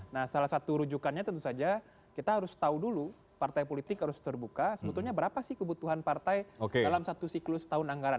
nah salah satu rujukannya tentu saja kita harus tahu dulu partai politik harus terbuka sebetulnya berapa sih kebutuhan partai dalam satu siklus tahun anggaran